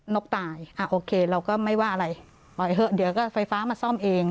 นกตายอ่าโอเคเราก็ไม่ว่าอะไรปล่อยเถอะเดี๋ยวก็ไฟฟ้ามาซ่อมเอง